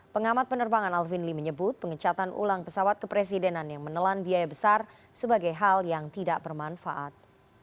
pengamat penerbangan alvin lee menyebut pengecatan ulang pesawat kepresidenan yang menelan biaya besar sebagai hal yang tidak bermanfaat